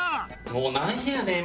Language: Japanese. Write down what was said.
もうなんやねん！